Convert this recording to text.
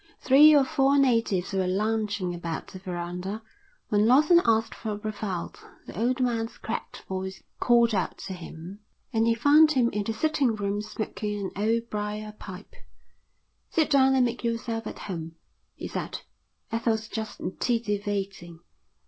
Three or four natives were lounging about the verandah. When Lawson asked for Brevald the old man's cracked voice called out to him, and he found him in the sitting room smoking an old briar pipe. "Sit down and make yerself at home," he said. "Ethel's just titivating."